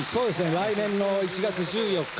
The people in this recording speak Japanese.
来年の１月１４日。